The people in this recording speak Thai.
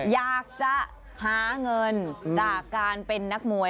อยากจะหาเงินจากการเป็นนักมวย